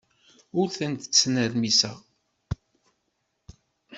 Ur tent-ttnermiseɣ.